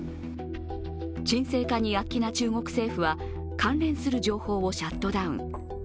鎮静化に躍起な中国政府は関連する情報をシャットダウン。